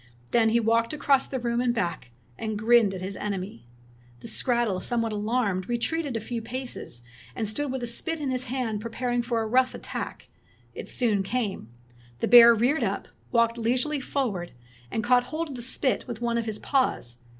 Then he walked across the room and back, and grinned at his enemy. The skrattel, somewhat alarmed, retreated a few 24 Fairy Tale Bears paces, and stood with the spit in his hand prepared for a rough attack. It soon came. The bear reared up, walked leisurely forward, and caught hold of the spit with one of his paws.